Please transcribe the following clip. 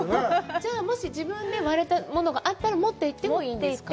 じゃあ、もし自分で割れたものがあったら、持っていってもいいんですか？